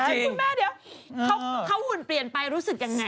คุณแม่เดี๋ยวเขาหุ่นเปลี่ยนไปรู้สึกยังไง